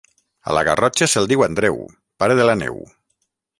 A la Garrotxa se'l diu Andreu, Pare de la Neu.